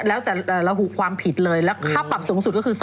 แล้วแต่ระบุความผิดเลยแล้วค่าปรับสูงสุดก็คือ